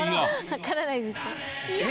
わからないですよ。